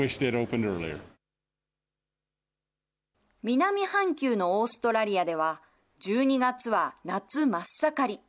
南半球のオーストラリアでは、１２月は夏真っ盛り。